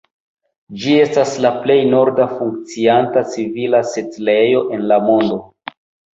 Ĝi estas la plej norda funkcianta civila setlejo en la mondo.